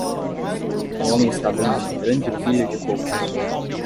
O homem está abrindo uma grande pilha de cocos.